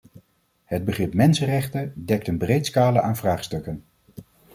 Het begrip mensenrechten dekt een breed scala aan vraagstukken.